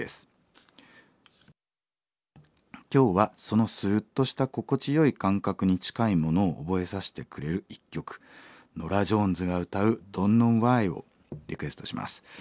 今日はそのスッとした心地よい感覚に近いものを覚えさせてくれる一曲ノラ・ジョーンズが歌う『Ｄｏｎ’ｔＫｎｏｗＷｈｙ』をリクエストします。